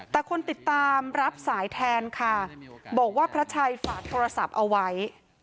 แต่คนติดตามรับสายแทนค่ะบอกว่าพระชัยฝากโทรศัพท์เอาไว้